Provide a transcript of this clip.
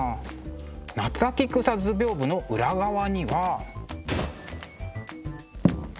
「夏秋草図屏風」の裏側には。